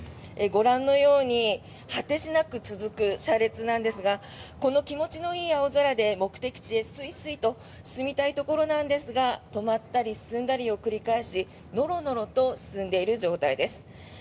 ご覧のように果てしなく続く車列なんですがこの気持ちのいい青空で目的地へスイスイと進みたいところなのですが止まったり進んだりを繰り返しノロノロと進んでいる状態です。